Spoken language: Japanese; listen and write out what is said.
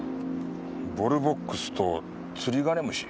「ボルボックス」と「ツリガネムシ」。